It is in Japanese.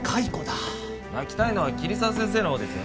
泣きたいのは桐沢先生のほうですよね。